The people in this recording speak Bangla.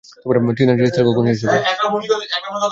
টিনার রিহার্সেল কখন শেষ হবে?